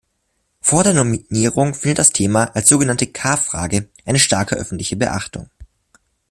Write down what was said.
Vor der Nominierung findet das Thema als sogenannte „K-Frage“ eine starke öffentliche Beachtung.